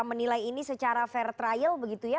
menilai ini secara fair trial begitu ya